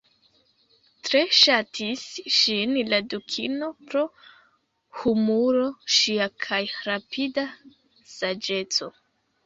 Tre ŝatis ŝin la dukino pro humuro ŝia kaj rapida saĝeco.